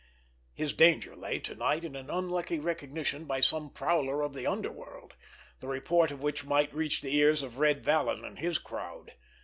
His danger lay to night in an unlucky recognition by some prowler of the underworld, the report of which might reach the ears of Red Vallon and his crowd.